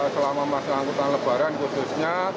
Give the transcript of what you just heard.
selama masa angkutan lebaran khususnya